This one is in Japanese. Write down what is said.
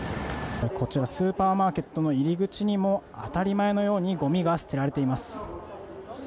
こちら、スーパーマーケットの入り口にも、当たり前のようにごみが捨てられています。